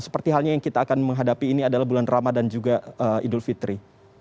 seperti halnya yang kita akan menghadapi ini adalah bulan ramadan juga idul fitri